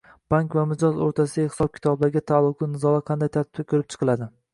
Bank va mijoz o‘rtasidagi hisob-kitoblarga taalluqli nizolar qanday tartibda ko‘rib chiqiladi?